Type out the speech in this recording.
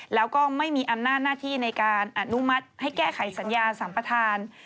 แล้วก็ไม่มีอำนาจหน้าที่ในการอนุมัติให้แก้ไขสัญญาสัมปทาน